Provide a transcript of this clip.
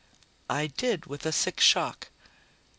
I did, with a sick shock.